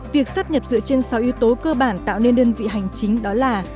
việc sắp nhập dựa trên sáu yếu tố cơ bản tạo nên đơn vị hành chính đó là